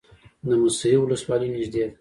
د موسهي ولسوالۍ نږدې ده